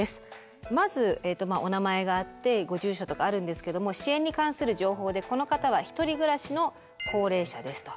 まずお名前があってご住所とかあるんですけども支援に関する情報でこの方はひとり暮らしの高齢者ですと。